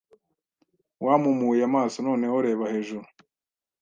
Yampumuye amaso Noneho reba hejuru